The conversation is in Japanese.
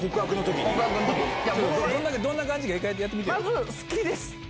どんな感じかやってみて。